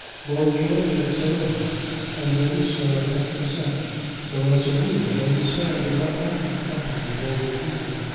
Lord George had said a word, and Lady Sarah had consented, though, as a rule, Lady Sarah did not like the company of vulgar people.